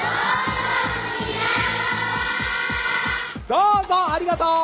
どうぞありがとう！